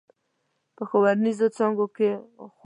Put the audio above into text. په ښوونيزو څانګو کې خونديينه نشته.